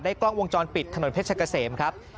กล้องวงจรปิดถนนเพชรเกษมครับ